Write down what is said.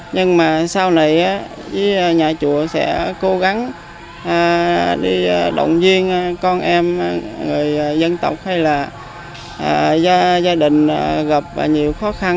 nhưng mà sau này với nhà chùa sẽ cố gắng đi động viên con em người dân tộc hay là gia đình gặp nhiều khó khăn